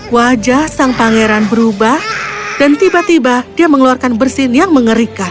wajah sang pangeran berubah dan tiba tiba dia mengeluarkan bersin yang mengerikan